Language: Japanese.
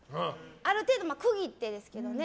ある程度区切ってですけどね。